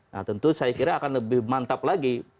nah tentu saya kira akan lebih mantap lagi